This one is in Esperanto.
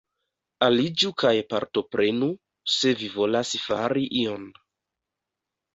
Aliĝu kaj partoprenu, se vi volas fari ion.